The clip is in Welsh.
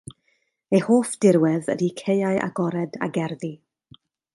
Ei hoff dirwedd ydy caeau agored a gerddi.